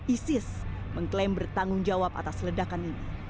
isis mengklaim bertanggung jawab atas ledakan ini